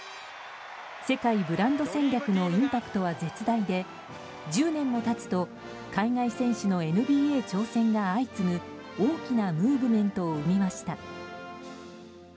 世界ブランド戦略のインパクトは絶大で１０年も経つと海外選手のＮＢＡ挑戦が相次ぐ大きなムーブメントを生みました。